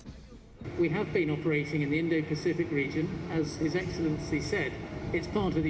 seperti yang sudah saya katakan ini adalah bagian dari kegiatan keinginan amerika tengah